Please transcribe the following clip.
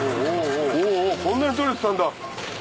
こんなに取れてたんだ！